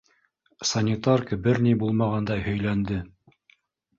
Санитарка бер ни булмағандай һөйләнде.